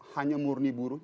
hanya murni buruh